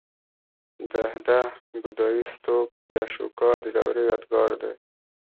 د هده د بودایي ستوپ د اشوکا د دورې یادګار دی